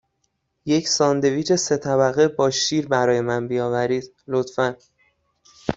یک ساندویچ سه طبقه با شیر برای من بیاورید، لطفاً.